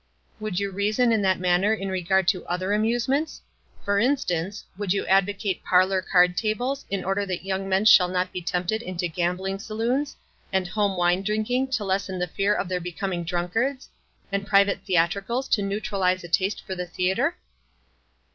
"" Would you reason in that manner in regard to other amusements ? For instance, would yuu advocate parlor card tables in cider iiiat young 256 WISE AND OTHERWISE. men shall not be tempted into gambling saloons, and home wine drinking to lessen the fear of their becoming drunkards, and private theatri cals to neutralize a taste for the theatre ?